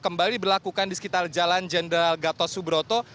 kembali diberlakukan di sekitar jalan jenderal gatot subroto